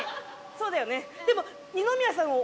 そうだよねでも。